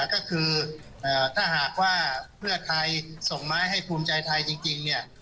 ก็คือถ้าหากว่าเพื่อไทยส่งไม้ให้ภูมิใจไทยจริงเนี่ย